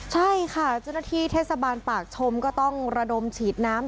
ใช่ค่ะเจ้าหน้าที่เทศบาลปากชมก็ต้องระดมฉีดน้ำ